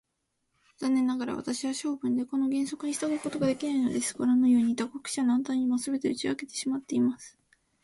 残念ながら、私は性分でこの原則に従うことができないのです。ごらんのように、他国者のあなたにも、すべて打ち明けてしゃべってしまいます。